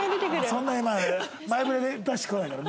そんなに前触れ出してこないから。